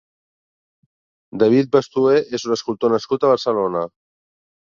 David Bestué és un escultor nascut a Barcelona.